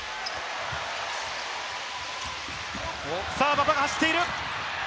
馬場が走っている！